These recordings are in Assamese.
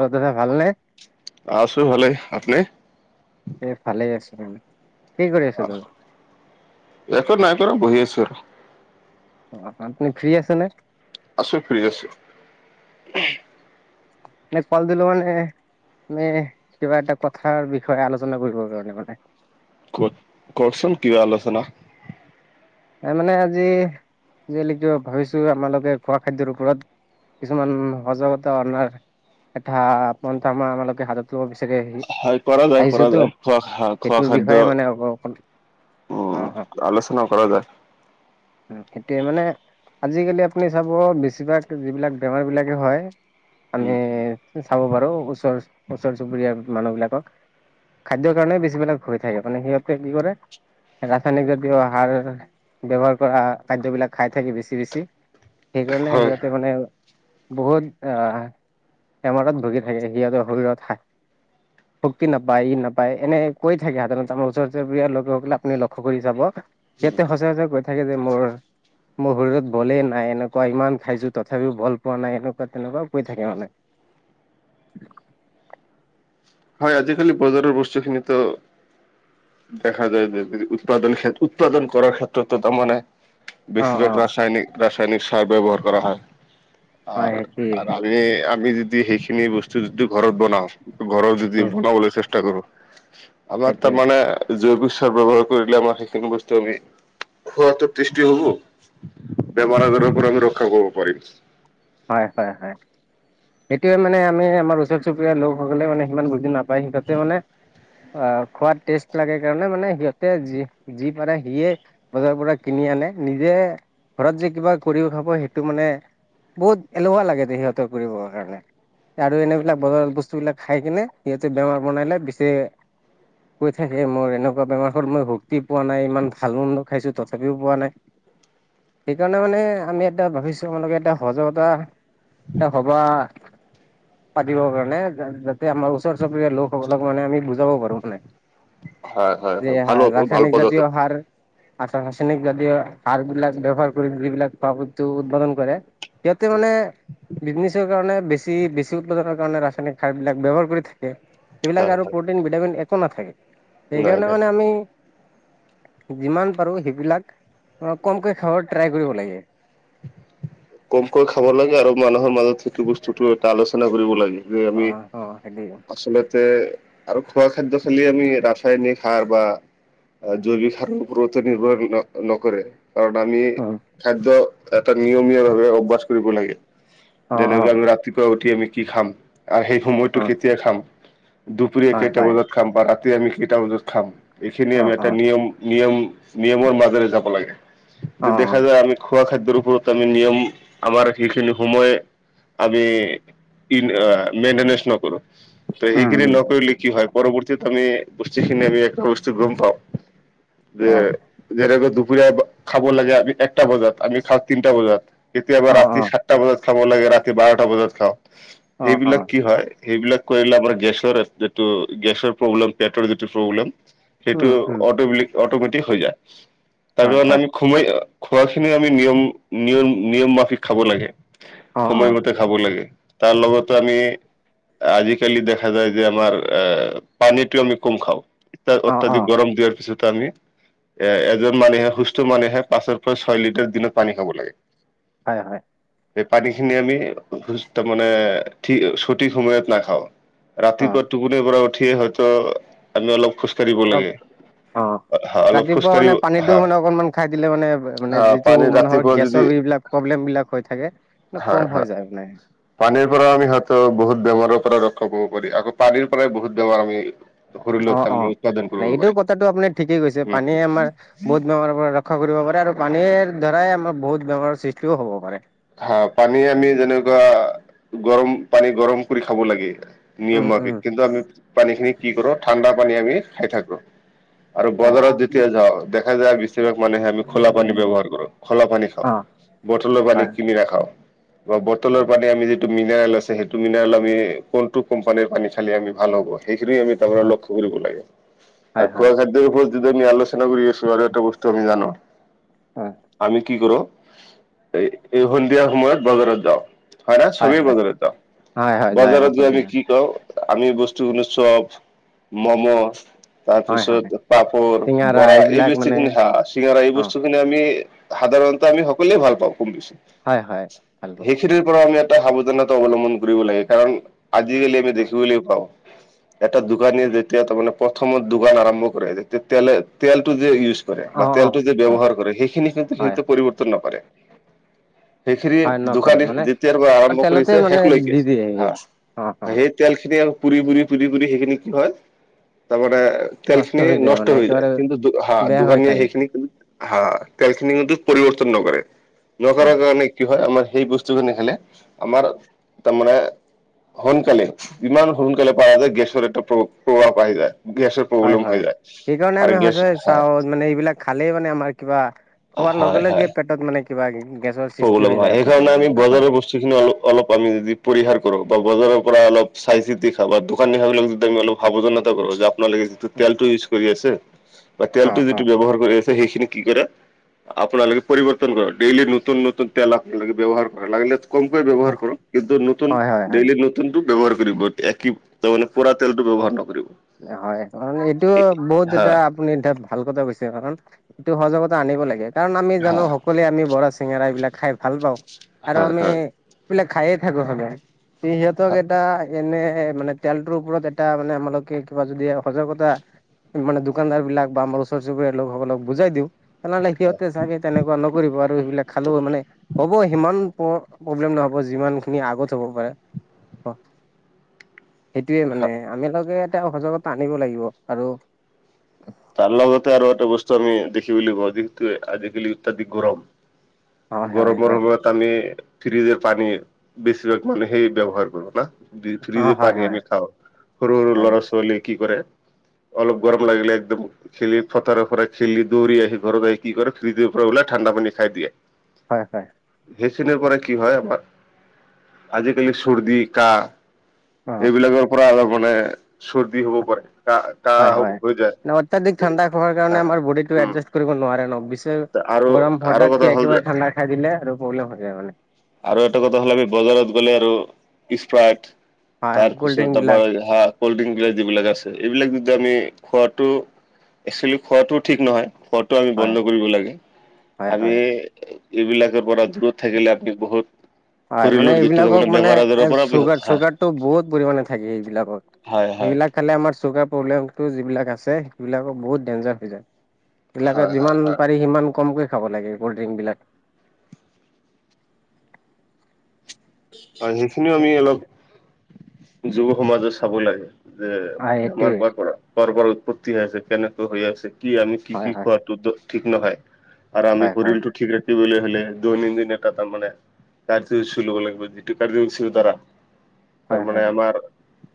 অ দাদা ভাল নে আছো ভালেই আপনি এই ফালে আছো মানে কি কৰি আছে আহ, দাদা একো নাই কৰা বহি আছো আৰু অ আপুনি ফ্ৰী আছে নে আছো ফ্ৰী আছো নেক পাল দিলো মানে নে কিবা এটা কথাৰ বিষয়ে আলোচনা কৰিবৰ কাৰণে মানে কত কওকচোন কি আলোচনা তাৰ মানে আজি যি নেকি ভাবিছো আপনালোকে খোৱা খাদ্যৰ ওপৰত কিছুমান সজাগতা অনাৰ এটা আ আমাৰ আপোনালোকে হাত লব বিচাৰে সি হয় কৰা যায় কৰা আহিছেতো যায় খোৱা খা- খোৱা সেইটোৰ খাদ্য বিষয়ে মানে অক অকণ উম আলোচনা কৰা যায় উম সেইটোয়ে মানে আজিকালি আপুনি চাব বেছিভাগ যিবিলাক বেমাৰ বিলাকে হয় উম, আমি চাব পাৰো ওচৰ ওচৰ চুবুৰীয়া মানুহ বিলাকক। খাদ্যৰ কাৰণে বেছি বিলাক হৈ থাকে মানে সিহঁতে কি কৰে ৰাসায়নিক জাতীয় আহাৰ ব্যৱহাৰ কৰা খাদ্যবিলাক খাই থাকি বেছি বেছি সেইকাৰণে হয় সিহঁতে মানে বহুত আহ বেমাৰত ভুগি থাকে সিহঁতৰ শৰীৰত হা শক্তি নাপায় ই নাপায়, এনে কৈ থাকে সাধাৰণতে আমাৰ ওচৰ -চুবুৰীয়া লোকসকলে আপুনি লক্ষ্য কৰি চাব সঁচা সঁচা কৈ থাকে যে মোৰ মোৰ শৰীৰত বলেই নাই এনেকুৱা ইমান খাইছো তথাপিও বল পোৱা নাই এনেকুৱা তেনেকুৱা কৈ থাকে মানে [unintelligible] হয় আজিকালি বজাৰৰ বস্তুখিনিতো দেখা যায় যে যি উৎপাদন ক্ষে উৎপাদন কৰাৰ ক্ষেত্ৰতো তাৰমানে অ বেছি অ ৰাচায়েনিক ৰাচায়েনিক চাৰ ব্যৱহাৰ কৰা হয় হয় আৰ আৰু সেইটোৱে আমি আমি যদি সেইখিনি বস্তু যদি ঘৰত বনাওঁ ঘৰত য উম বনাবলৈ চেষ্টা কৰো আমাৰ তাৰ সেইটোৱে মানে জৈৱিক চাৰ ব্যৱহাৰ কৰিলে আমাৰ সেইখিনি বস্তু আমি খোৱাটো টেষ্টি হব বেমাৰ আজাৰ পৰা আমি ৰক্ষা কৰিব পাৰিম হয়, হয়, হয় সেইটোৱে মানে আমি আমাৰ ওচৰ চুবুৰীয়াৰ লোকসকলে মানে সিমান বুজি নাপ বা সিহতে মানে অ খোৱাত টেষ্ট লাগে কাৰণে মানে সিহঁতে যি যি পাৰে সিয়ে বজাৰৰ পৰা কিনি আনে নিজে ঘৰত যে কিবা কৰিও খাব সেইটো মানে বহুত এলেহুৱা লাগে দে সিহঁতৰ কৰিবৰ কাৰণে। আৰু এনেবিলাক বজাৰ বস্তু বিলাক খাই কিনে সিহঁতে বেমাৰ বনাই লই পিছে কৈ থাকে মোৰ এনেকুৱা বেমাৰ হ'ল মই শক্তি পোৱা নাই ইমান ভাল মন্ড খাইছো তথাপিও পোৱা নাই। সেইকাৰণে মানে আমি এটা ভাবিছো আমালোকে এটা সজাকতা এ হ'বা পাতিবৰ কাৰণে যা যাতে আমাৰ ওচৰ -চুবুৰীয়া লোকসকলক মানে আমি বুজাব পাৰো মানে হয় হয় হয় ভাল সাৰ হ'ব, ভাল ৰাসায়নিক জাতীয় পদক্ষেপ। সাৰ আৰু ৰাসায়নিক যদিও সাৰ বিলাক ব্যৱহাৰ কৰি যিবিলাক খোৱা উৎপাদন কৰে সিহঁতে মানে বিজনেছৰ কাৰণে বেছি বেছি উৎপাদনৰ কাৰণে ৰাসায়নিক সাৰবিলাক ব্যৱহাৰ কৰি থাকে। এইবিলাক হয় আৰু হয় প্ৰটিন ভিটামিন একো নাথাকে, নাই সেইকাৰণে নাই মানে আমি যিমান পাৰো সেইবিলাক অ কমকে খাব ট্ৰাই কৰিব লাগে। কমকৈ খাব লাগে আৰু মানুহৰ মাজত সেইটো বস্তুটো এটা আলোচনা কৰিব লাগে। যে অ আমি অ হেৰি অ আচলতে আৰু খোৱা খাদ্য খালি আমি ৰাসায়নিক সাৰ বা জৈৱিক সাৰ উপৰত নিৰ্ভৰ ন নকৰে। কাৰণ আমি খাদ্য এটা নিয়মীয়া ভাৱে অভ্যাস কৰিব লাগে। অ অ যেনেক ধৰা ৰাতিপুৱা উঠি আমি কি খাম। আৰু সেই সময়টো অ কেতিয়া খাম, দুপৰীয়া হয় কেইটা হয় বজাত খাম বা ৰাতি আমি কেইটা বজাত খাম। এইখিনি অ আমি অ এটা নিয়ম, নিয়ম, নিয়মৰ মাজেৰে যাব লাগে অ অ দেখা যায় আমি খোৱা খাদ্যৰ ওপৰত আমি নিয়ম আমাৰ সেইখিনি সময়ে আমি মেইনটেনেঞ্চ নকৰো ত উম সেইখিনি উম নকৰি কি হয় পৰৱৰ্তীত আমি বস্তুখিনি আমি একটা বস্তু গম পাওঁ যে অ যেনেকৈ দুপৰীয়া খাব লাগে আমি একটা বজাত, আমি খাওঁ তিনটা বজাত। অ', কেতিয়াবা ৰাতি অ', সাতটা বজাত খাব লাগে, ৰাতি বাৰটা বজাত খাওঁ, অ', সেইবিলাক অ', কি হয় সেইবিলাক কৰিলে আমাৰ গেছৰ যিটো গেছৰ প্ৰব্লেম, পেটৰ যিটো প্ৰব্লেম উম, সেইটো উম, অটোমেটিক অটোমেটিক হৈ যায়, তাৰ হয়, কাৰণে হয়, আমি খোমাই খোৱাখিনি নিয়ম, নিয়ম, নিয়ম মাফিক খাব লাগে অ', অ', সময়মতে খাব লাগে তাৰ লগত আমি আজিকালি দেখা যায় যে আমাৰ আহ পানীটো আমি কম খাওঁ। অ', অ', অত্যাধিক গৰম দিয়াৰ পিছত আমি এ এজন মানুহে, সুস্থ মানুহে পাঁচৰ পৰা ছয় লিটাৰ দিনত পানী খাব লাগে। হয় হয়। এই পানীখিনি আমি সুস্থ মানে সঠিক সময়ত নাখাওঁ। অ', ৰাতিপুৱা টুপনিৰ পৰা উঠিয়ে হয়তো আমি অলপ খোজ অ অ অলপ ৰাতিপুৱা খোজকাঢ়িব মানে পানীটো হা মানে অকনমান খাই দিলে মানে মানে হা যি টো পানী মানুহৰ ৰাতিপুৱা যদি গেছৰ এইবিলাক প্ৰব্লেম বিলাক হৈ থাকে হয় কম হয়। হৈ যায় মানে। পানীৰ পৰা আমি হয়তো বহুত বেমাৰৰ পৰা ৰক্ষা পাব পাৰি, আকৌ পানীৰ পৰাই বহুত বেমাৰ আমি শৰীৰত অ অ তাৰমানে উৎপাদন কৰিব এইটো পাৰি কথাটো আপোনাৰ ঠিকেই কৈছে পানীয়ে আমাৰ বহুত বেমাৰৰ পৰা ৰক্ষা কৰিব পাৰে আৰু পানীৰ দ্বাৰাই আমাৰ বহুত বেমাৰৰ সৃষ্টিও হ'ব পাৰে। হা পানী আমি যেনেকুৱা গৰম পানী গৰম কৰি খাব লাগে। উম, উম, নিয়মীয়াকৈ কিন্তু আমি পানীখিনি কি কৰো ঠাণ্ডা পানী আমি খাই থাকো। আৰু হয়, বজাৰত যেতিয়া যাও দেখা যায় বেচিভাগ মানুহে আমি খোলা পানী ব্যৱহাৰ কৰো খোলা পানী খাওঁ, অ', বটলৰ পানী হয়, কিনি নাখাওঁ। বা বতলৰ হয়, পানী যি টো মিনাৰেল আছে, সেইটো মিনাৰেল আমি কোনটো কম্পানীৰ পানী খালি আমি ভাল হ'ব সেইখিনি আমি হয়, লক্ষ্য কৰিব লাগে। আৰু হয়, হয়, খোৱা খাদ্য ওপৰত যদি আমি আলোচনা কৰি আছো আৰু এটা বস্তু আমি জানো হয়, আমি কি কৰো এই এই সন্ধিয়া সময়ত বজাৰত যাও। হয় ন চবেই বজাৰত যাও, হয়, হয়, যায় বজাৰত সকলোৱে যাম যায়, কি খাও আমি বস্তু আনো চব, ম'ম', হয়, হয়। তাৰপিছত পাপৰ, চিঙাৰা বৰা এই এইবিলাক মানে বেছিখিনি এই অ বস্তু খিনি আমি সাধাৰণতে আমি সকলোৱে ভাল পাওঁ কম বেছি। হয় হয় ভাল কথা। সেইখিনিৰ পৰা আমি এটা সাৱধানতা অৱলম্বন কৰিব লাগে। কাৰণ আজি-কালি আমি অ দেখিবলৈ পাওঁ এটা অ দোকানীয়ে যে তেতিয়া তাৰমানে প্ৰথমত দুবাৰ আৰম্ভ কৰে। তেতিয়া তেলে তেলটো যে ইউজ কৰে অ বা অ তেলটো যে অ ব্যৱহাৰ কৰে সেইখিনি কিন্তু হয় সিহঁতে পৰিৱৰ্তন নকৰে। সেইখিনি হয় নকৰে দোকানী মানে যেতিয়াৰ পৰা আৰম্ভ তেলতে কৰিছে মানে শেষলৈকে দি দিয়ে সি হা, অ অ সেই তেল খিনি পুৰি পুৰি, পুৰি পুৰি সেইখিনি কি হয় তাৰমানে নষ্ট তেলখিনি হৈ যায় মানে নষ্ট হৈ একেবাৰে যায়, কিন্তু হা বেয়া হৈ দোকানীয়ে থাকে সেইখিনি কিন্তু হা, কেলখিনি কিন্ত পৰিৱৰ্তন নকৰে। খোৱাৰ হয় কাৰণে কি হয়, আমাৰ সেই বস্তু খিনি খালে আমাৰ তাৰমানে সোনকালে ইমান সোনকালে পা যায় গেছৰ এটা প্ৰ প্ৰভাৱ আহি যায়, গেছৰ হয়, প্ৰব্লেম হৈ হয়। যায় সেইকাৰণে আৰু আমি গেছ সদায় হয় চাও মানে এইবিলাক খালেই মানে আমাৰ কিবা খোৱাৰ হয় লগে হয় লগে পেটত মানে কিবা গেছৰ সৃষ্টি প্ৰব্লেম হৈ হয়, যায় আপোনাৰ সেইকাৰণে সেইবিলাক আমি বজাৰৰ নহয় বস্তু বস্তুখিনি সেইখিনি অলপ অলপ আমি যদি পৰিহাৰ কৰোঁ বা বজাৰৰ পৰা অলপ চাই চিতি খাওঁ বা দোকানী খোৱাবিলাক যদি আমি অলপ সাৱধানতা কৰো যে আপোনালোকে যিটো তেলটো ইউজ কৰি আছে বা অ তেলটো অ যিটো ব্যৱহাৰ কৰি আছে সেইখিনি কি কৰে আপোনালোকে পৰিৱৰ্তন কৰক। ডেইলি ন নতুন-নতুন তেল আপোনালোকে ব্যৱহাৰ কৰক। লাগিলে কমকৈ ব্যৱহাৰ কৰক, কিন্তু নতুন হয় হয় হয় ডেইলি নত তুনটো ব্যৱহাৰ কৰিব এতিয়া। [unintelligible] তাৰ মানে পোৰা তেলটো ব্যৱহাৰ নকৰিব। হয় মানে এইটো বহুত হা এটা আপুনি এতিয়া ভাল কথা কৈছে, কাৰণ এইটো সজাগতা আনিব লাগে। কাৰণ আমি হা জানো সক সকলোৱে আমি বৰা, চিঙেৰা এইবিলাক খাই ভাল পাওঁ আৰু হয় আমি হয় এইবিলাক খায়ে থাকো সদায়। আমি সিহঁতক এটা এনে মানে তেলটোৰ ওপৰত এটা মানে আমালোকে কিবা যদি সজাগতা মানে দোকানদাৰ বিলাক বা আমাৰ ওচৰ চুবুৰীয়া লোকসকলক বুজাই দিওঁ তেনেহ'লে সিহঁতে চাগে তেনেকুৱা নকৰিব আৰু সেইবিলাক খালেও মানে হ'ব সিমান প প্ৰব্লেম নহ'ব যিমান খিনি আগত হ'ব পাৰে। অ। সেইটোৱে মানে আমিলোকে এটা সজাগতা আনিব লাগিব আৰু তাৰ লগতে আৰু এটা বস্তু আমি দেখিবলৈ পাওঁ যিহেতু আজি-কালি অত্যাধিক গৰম। হয় হয় গৰমৰ হয় সময়ত আমি ফ্ৰিজৰ পানী বেছিভাগ মানে সেই ব্যৱহাৰ কৰো না? অ ফ্ৰিজৰ হয় পানী হয় আমি খাওঁ। সৰু-সৰু হয় ল'ৰা-ছোৱালী কি কৰে অলপ গৰম লাগিলে একদম খেলি পথাৰৰ পৰা খেলি দৌৰি আহি ঘৰত আহি কি কৰে, ফ্ৰিজৰ পৰা ওলাই ঠাণ্ডা পানী খাই দিয়ে। হয়, হয়। সেইখিনি পৰা কি হয় আমাৰ আজি-কালি চৰ্দি, কাহ অ এইবিলাকৰ পৰা অলপ মানে চৰ্দি হ'ব পাৰে, কাহ হয় কাহ হয়, হৈ যায় মানে অত্যাধিক ঠাণ্ডা খোৱাৰ হা কাৰণে আমাৰ বডীটো উম এডজাষ্ট কৰিব নোৱাৰে ন। বেছ আৰু কে গৰম আৰু কথা হঠাৎকে হ'ল যে একেবাৰে ঠাণ্ডা খাই দিলে আৰু প্ৰব্লেম হৈ যায় মানে। আৰু এটা কথা হ'লে বজাৰত গ'লে আৰু ইছস্প্ৰাইট হয় হয় কল্ড ড্ৰিংক তাৰপিছত বিলাক আমাৰ হা কল্ড ড্ৰিংকবিলাক যিবিলাক আছে, এইবিলাক যদি আমি খোৱাটো একচুৱেলি খোৱাটো ঠিক নহয়। খোৱা টো আমি হয় বন্ধ কৰিব লাগে। হয় আমি হয় এইবিলাকৰ পৰা দূৰত থাকিলে আমি বহুত হয়, মানে শৰীৰৰ যিটো তাৰমানে এইবিলাকক মানে বেমাৰ আজাৰৰ পৰা হয় চুগাৰ-চুগাৰটো বহুত পৰিমাণে থাকে এইবিলাকত। হয়। হয় এইবিলাক খালে আমাৰ চুগাৰ প্ৰব্লেমটো যিবিলাক আছে সেইবিলাকৰ বহুত ডেঞ্জাৰ হৈ যায়। [unintelligible] এইবিলাকক হয় হয় যিমান হয় পাৰি সিমান কমকৈ খাব লাগে ক'ল্ড ড্ৰিংকবিলাক। হয় সেইখিনিও আমি অলপ যুৱ সমাজে চাবই লাগে। যে হয় বেমাৰ সেইটোৱে ক'ৰ পৰা, ক'ৰ পৰা উৎপত্তি হৈ আছে, কেনেকৈ হৈ আছে, কি আমি কি-কি হয় হয় খোৱা [unintelligible] টো ঠিক নহয় আৰু আমি হয় হয় শৰীৰটো ঠিক ৰাখিবলে হ'লে দৈনন্দিন এটা তাৰমানে [unintelligible] ল'ব লাগিব [unintelligible] [unintelligible] দ্বাৰা হয় তাৰমানে হয় আমাৰ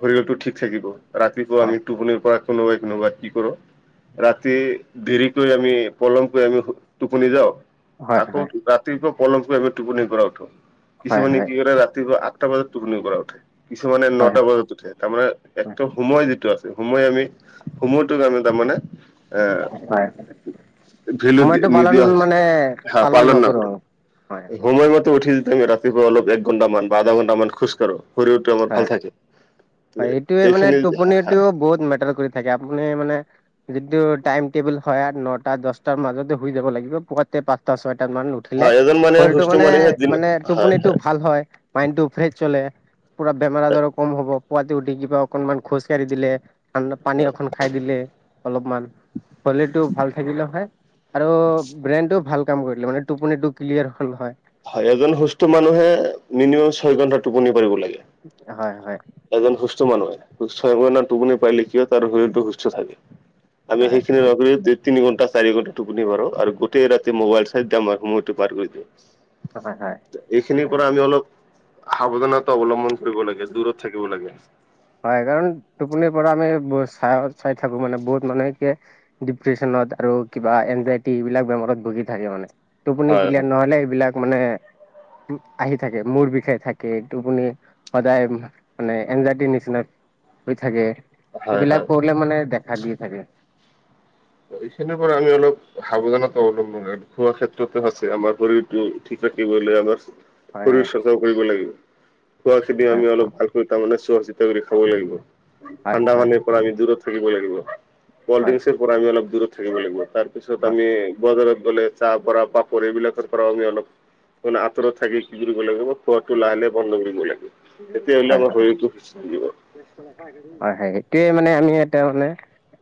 শৰীৰটো ঠিক থাকিব। ৰাতিপুৱা হয় আমি টোপনিৰ পৰা কোনোবাই-কোনোবাই কি কৰোঁ ৰাতি দেৰিকৈ আমি পলমকৈ আমি শু টোপনি যাওঁ হয় আকৌ হয় উঠো ৰাতিপুৱা পলমকৈ আমি টোপনিৰ পৰা উঠো হয় কিছুমানে হয় কি ৰাতিপুৱা আঠটা বজাত টোপনিৰ পৰা উঠে, কিছুমানে হয় নটা বজাত উঠে। তাৰমানে হয় একটো সময় যিটো আছে, সময় আমি সময়টোক আমি তাৰমানে এ হয়। ভেলু আমাৰটো পালন নিদিয়া হৈছে মানে পালন নকৰো। হয়। সময়মতে উঠি যদি আমি ৰাতিপুৱা অলপ এক ঘণ্টামান বা আধা ঘণ্টামান খোজকাঢ়ো শৰীৰটো আমাৰ হয় ভাল থাকে। হয় এইটোৱেই মানে এইখিনি টোপনিটোও বহুত মেটাৰ কৰি থাকে আপুনি মানে যিটো টাইম টেবুল হয় আ নটা, দছটাৰ মাজতে শুই যাব লাগিব পুৱাতে পাঁচটা, ছয়টা মান উ উঠিলে হয় এজন মানুহে শৰীৰটো সুস্থ মানুহে দিন মানে-মানে হয় টোপনিটো ভাল হয়। মাইণ্ডটো ফ্ৰেছ চলে, পুৰা বেমাৰ-আজাৰো কম হব পুৱাতে উঠি কিবা অকনমান খোজকাঢ়ি দিলে ঠাণ্ডা পানী এখন খাই দিলে, অলপমান শলীলটো ভাল থাকিলে হয় আৰু ব্ৰেইনটোও ভাল কাম কৰিলে মানে টোপনিটো ক্লিয়াৰ হল হয় হয় এজন সুস্থ মানুহে মিনিমাম ছয় ঘন্টা টোপনি পাৰিব লাগে। হয়-হয় এজন সুস্থ মানুহে সুস্থ মানে টোপনি পাৰিলে কি হয় তাৰ শৰীৰটো সুস্থ থাকে। আমি হয় সেইখিনি সেইটো নকৰি দেত তিনি ঘণ্টা, চাৰি ঘন্টা টোপনি মাৰো আৰু গোটেই ৰাতি মোবাইল চাই এদাম সময়টো পাৰ কৰি দিওঁ [unintelligible] হয়-হয় এইখিনিৰ পৰা আমি অলপ সাৱধানতা অৱলম্বন কৰিব লাগে, দূৰত থাকিব লাগে। হয় কাৰণ টোপনিৰ পৰা আমি ব চাই-চাই থাকো মানে বহুত মানুহ কে ডিপ্ৰেচনত আৰু কিবা এনজাইটি এইবিলাক বেমাৰত ভুগি থাকে মানে টোপনি হয় ক্লিয়াৰ হয় নহলে এইবিলাক মানে আহি থাকে মূৰ বিষাই থাকে, টোপনি সদায় মানে এনজাইটি নি নিচিনা হৈ থাকে হয় হয় এইবিলাক কৰিলে মানে দেখা দি থাকে এইখিনিৰ পৰা আমি অলপ সাৱধানতা অৱলম্বন খোৱা ক্ষেত্ৰতো আছে আমাৰ শৰীৰটো ঠিক ৰাখিবলৈ আমাক হয় শৰীৰ হয় চচা কৰিব লাগিব খোৱা খিনি হয় আমি অলপ ভালকৈ তাৰমানে চোৱাচিতা কৰি খাব লাগিব হয় ঠাণ্ডা হয় হয়। পানীৰ পৰা আমি দূৰত থাকিব লাগিব, কল্ড হয় হয় ড্ৰিংকচৰ পৰা আমি অলপ দূৰত থাকিব লাগিব তাৰ তাৰপিছত আমি বজাৰত গ'লে চাহ পৰা পাপৰ এইবিলাকৰ পৰাও আমি অলপ মানে আঁতৰত থাকি কি কৰিব লাগিব খোৱাটো লাহে লাহে বন্ধ কৰিব লাগিব তেতিয়াহলে আমাৰ শৰীৰটো সুস্থ থাকিব হয়-হয় সেইটোৱেই মানে আমি এটা মানে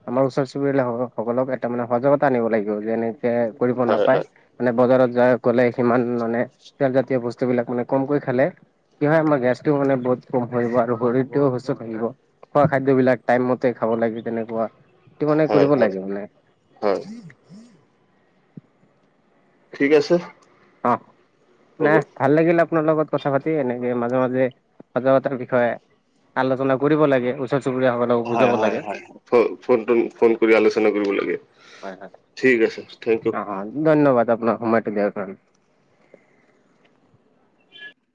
আমাৰ ওচৰ চুবুৰীয়াসকলক [unintelligible] তাৰ মানে সজাগতা আনিব লাগিব যে এনেকে কৰিব হয় নাপায় হয় মানে বজাৰত যাই গ'লে সিমান মানে তেলজাতীয় বস্তুবিলাক মানে কমকৈ খালে কি হয় আমাৰ গেছটোও মানে বহুত কম থাকিব আৰু শৰীৰটোও সুস্থ থাকিব। খোৱা খাদ্যবিলাক টাইম মতে খাব লাগে তেনেকুৱা সেইটো মানে হয় কৰিব হয় লাগে মানে হয় ঠিক আছে অ হ'ব। নাই ভাল লাগিল আপোনাৰ লগত কথা পাতি এনেকে মাজে মাজে সজাগতাৰ বিষয়ে আলোচনা কৰিব লাগে ওচৰ চুবুৰীয়াসকলক হয় হয় হয় ফ' ফ'নটো ফ'ন কৰি আলোচনা কৰিব লাগে হয় হয় ঠিক আছে থেংক ইউ। অ অ ধন্যবাদ আপোনাক সময়টো দিয়াৰ কাৰনে